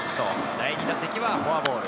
第２打席はフォアボール。